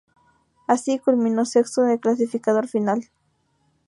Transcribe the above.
Así, culminó sexto en el clasificador final.